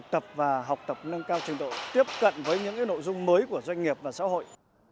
tập và học tập nâng cao trình độ tiếp cận với những nội dung mới của doanh nghiệp và xã hội